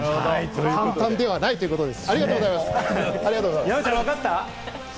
簡単ではないということです。